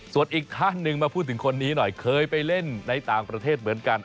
ส่วนอีกท่านหนึ่งมาพูดถึงคนนี้หน่อยเคยไปเล่นในต่างประเทศเหมือนกัน